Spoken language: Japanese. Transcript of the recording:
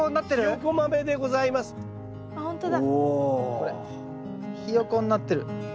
これヒヨコになってる。